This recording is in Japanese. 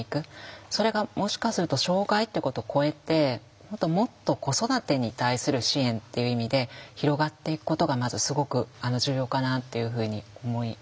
それがもしかすると障害っていうことを超えてもっと子育てに対する支援っていう意味で広がっていくことがまずすごく重要かなっていうふうに思います。